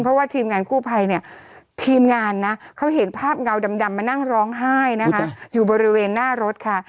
เพราะว่าทีมงานกู้ภัยเนี่ยทีมงานนะเขาเห็นภาพเงาดำมานั่งร้องไห้นะคะอยู่บริเวณหน้ารถค่ะ